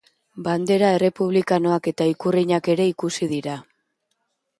Bandera errepublikanoak eta ikurrinak ere ikusi dira.